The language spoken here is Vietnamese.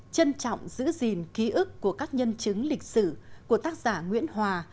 trân trọng giữ gìn ký ức của các nhân chứng lịch sử của tác giả nguyễn hòa